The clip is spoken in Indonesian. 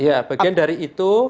ya bagian dari itu